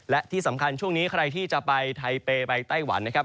และที่สำคัญช่วงนี้ใครที่จะไปไทเปย์ไปไต้หวันนะครับ